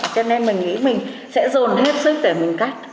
cho nên mình nghĩ mình sẽ dồn hết sức để mình cách